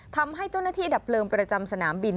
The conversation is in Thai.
ทำให้เจ้าหน้าที่ดับเพลิงประจำสนามบิน